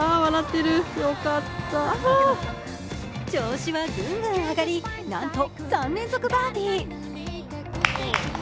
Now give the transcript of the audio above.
調子はぐんぐん上がりなんと３連続バーディー。